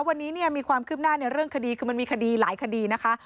วันนี้มีความขึ้นหน้าเรื่องคดีคือมันมีคดีหลายคดีนะคะ